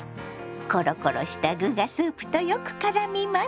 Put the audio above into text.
コロコロした具がスープとよくからみます。